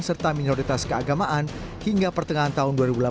serta minoritas keagamaan hingga pertengahan tahun dua ribu delapan belas